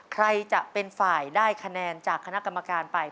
ใครจะเป็นฝ่ายได้คะแนนจากคณะกรรมการไป